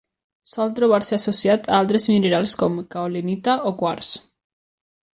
Sol trobar-se associat a altres minerals com: caolinita o quars.